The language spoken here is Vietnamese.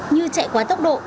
như chạy quá tốc độ